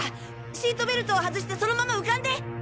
シートベルトを外してそのまま浮かんで！